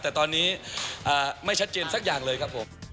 แต่ตอนนี้ไม่ชัดเจนสักอย่างเลยครับผม